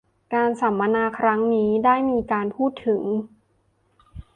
การสัมมนาครั้งนี้ได้มีการพูดถึง